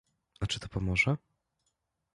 A czy to pomoże?